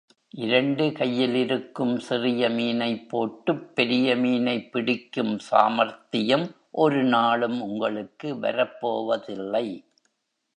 இரண்டு கையிலிருக்கும் சிறிய மீனைப் போட்டுப் பெரிய மீனைப் பிடிக்கும் சாமர்த்தியம் ஒரு நாளும் உங்களுக்கு வரப் போவதில்லை.